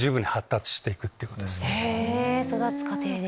育つ過程で。